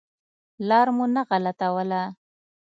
لار مو نه غلطوله.